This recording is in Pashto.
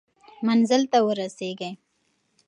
منزل ته ورسېږئ.